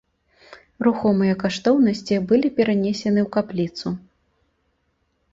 Рухомыя каштоўнасці былі перанесены ў капліцу.